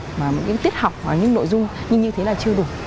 về mặt một cơ học những tiết học hoặc những nội dung như thế là chưa đủ